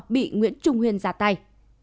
bị nguyễn trung huyền ra tay